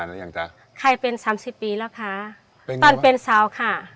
ลูก๓คนค่ะ